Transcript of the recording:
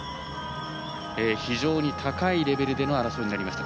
非常に高いレベルでの争いになりました。